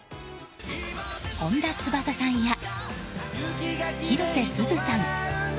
本田翼さんや広瀬すずさん